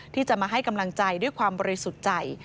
ที่จะมาให้กำลังใจด้วยความบริสุทธิ์ใจ